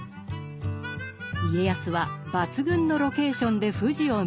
家康は抜群のロケーションで富士を見せた。